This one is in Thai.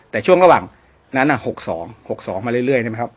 แต่ช่วงระหว่างนั้นอ่ะหกสองหกสองมาเรื่อยเรื่อยใช่ไหมครับ